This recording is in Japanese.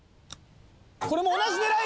これも同じ狙い！